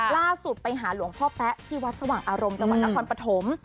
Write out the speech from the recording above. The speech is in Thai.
ล่าสุดไปหาหลวงพ่อแป๊ะที่วัดสว่างอารมณ์จังหวัดนครปฐม